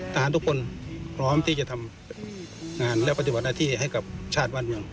ทหารทุกคนพร้อมที่จะทำงานและปฏิบัติหน้าที่ให้กับชาติบ้านเมือง